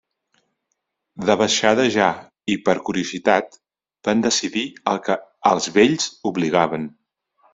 De baixada ja, i per curiositat, van decidir el que els vells obligaven.